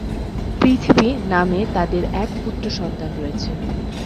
পৃথ্বী নামে তাদের এক পুত্রসন্তান রয়েছে।